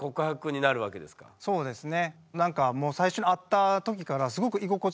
そうですね。